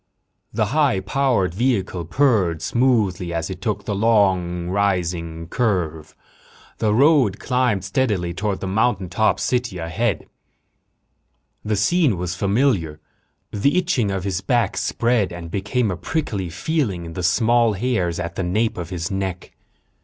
The high powered vehicle purred smoothly as it took a long, rising curve. The road climbed steadily toward the mountaintop city ahead. The scene was familiar. The itching of his back spread and became a prickly feeling in the small hairs at the nape of his neck.